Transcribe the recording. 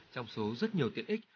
trong số rất nhiều tiện ích